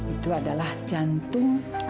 itu adalah jantung a vida muybye